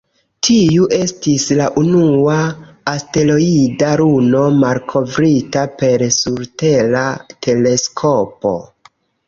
Tiu estis la unua asteroida luno malkovrita per surtera teleskopo.